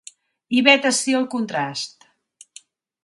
I vet ací el contrast.